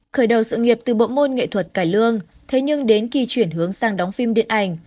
khởi đầu sự nghiệp từ bộ môn nghệ thuật cải lương thế nhưng đến khi chuyển hướng sang đóng phim điện ảnh